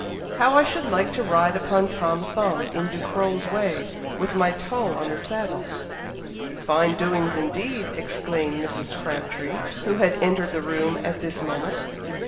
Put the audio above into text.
"How I should like to ride upon Tom Thumb, in Ducrow's way, with my toe on the saddle!" "Fine doings indeed!" exclaimed Mrs. Crabtree, who had entered the room at this moment.